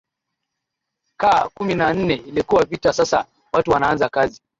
ka kumi na nne ilikuwa vita sasa watu wanaaza kazi